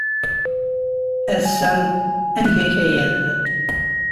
Ass-a, ad neg akayad.